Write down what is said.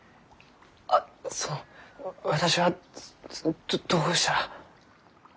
あその私はどどうしたら？